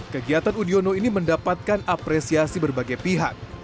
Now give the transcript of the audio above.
kegiatan udiono ini mendapatkan apresiasi berbagai pihak